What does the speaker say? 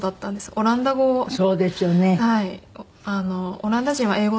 オランダ人は英語